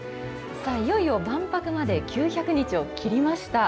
いよいよ万博まで９００日を切りました。